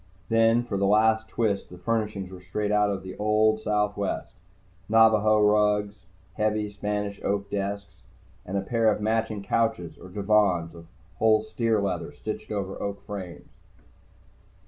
Then, for the last twist, the furnishings were straight out of the old Southwest Navajo rugs, heavy, Spanish oak desks, and a pair of matching couches or divans of whole steer leather stretched over oak frames.